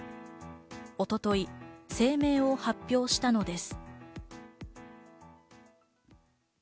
一昨日、声明を発表したのです。